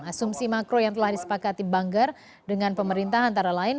asumsi makro yang telah disepakati banggar dengan pemerintah antara lain